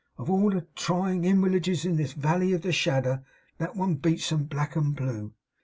Of all the trying inwalieges in this walley of the shadder, that one beats 'em black and blue.